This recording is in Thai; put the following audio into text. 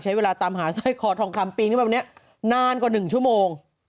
ใช้เวลาตามหาไส้คอทองคำปีนแบบนี้นานกว่าหนึ่งชั่วโมง